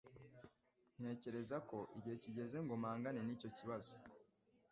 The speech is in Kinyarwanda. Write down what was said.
Ntekereza ko igihe kigeze ngo mpangane nicyo kibazo